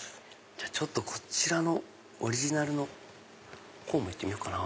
じゃちょっとこちらのオリジナルのほうも行ってみようかな。